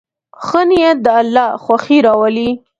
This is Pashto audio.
ښه نیت د الله خوښي راولي.